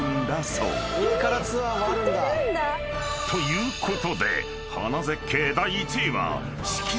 ということで］